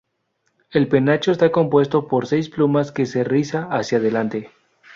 El penacho está compuesto por seis plumas que se riza hacia delante.